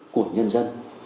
của nhân dân